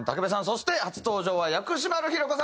そして初登場は薬師丸ひろ子さんです。